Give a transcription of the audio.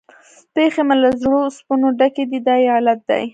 پښې مې له زړو اوسپنو ډکې دي، دا یې علت دی.